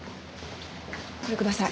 これください。